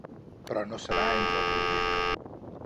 Però no serà entre el públic.